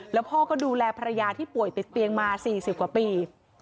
แล้วพ่อก็ดูแลภรรยาที่ป่วยติดเตียงมา๔๐กว่าปี